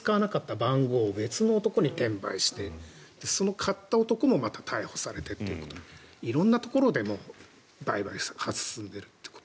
番号を別の男に転売してその買った男もまた逮捕されてと色んなところで売買が進んでいると。